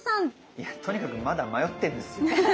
いやとにかくまだ迷ってんですよ。